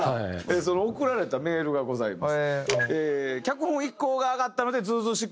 その送られたメールがございます。